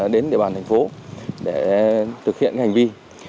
đến địa bàn thành phố để thực hiện hành vi